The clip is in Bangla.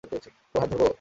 তোমার হাত ধরবো?